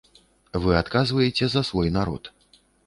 Вы адказваеце за свой народ.